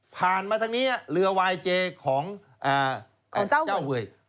ผ่านมาทั้งนี้เรือวายเจของอ่าของเจ้าเวย